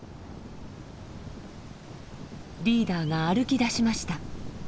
リーダーが歩き出しました。